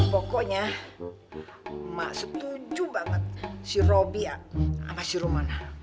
pokoknya emak setuju banget si robi sama si rumana